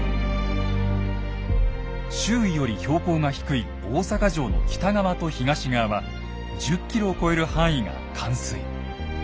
周囲より標高が低い大坂城の北側と東側は１０ｋｍを超える範囲が冠水。